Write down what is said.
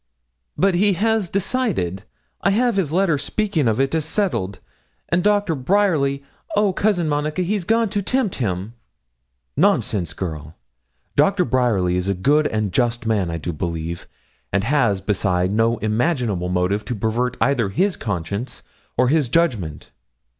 'But he has decided. I have his letter speaking of it as settled; and Doctor Bryerly oh, Cousin Monica, he's gone to tempt him.' 'Nonsense, girl! Doctor Bryerly is a good and just man, I do believe, and has, beside, no imaginable motive to pervert either his conscience or his judgment.